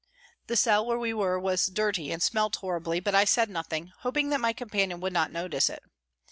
* The cell where we were was dirty and smelt horribly, but I said nothing, hoping that my companion would not notice it.